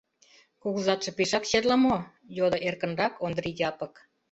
— Кугызатше пешак черле мо? — йодо эркынрак Ондри Япык.